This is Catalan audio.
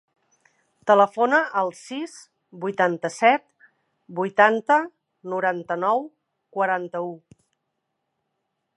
Telefona al sis, vuitanta-set, vuitanta, noranta-nou, quaranta-u.